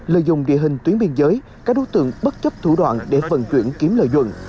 lợi dụng địa hình tuyến biên giới các đối tượng bất chấp thủ đoạn để phần chuyển kiếm lợi nhuận